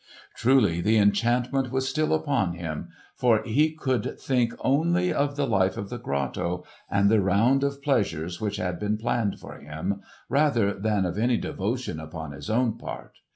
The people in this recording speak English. Truly the enchantment was still upon him, for he could think only of the life of the grotto and the round of pleasures which had been planned for him, rather than of any devotion upon his own part.